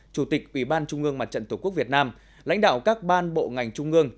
chủ tịch ủy ban trung ương mặt trận tổ quốc việt nam lãnh đạo các ban bộ ngành trung ương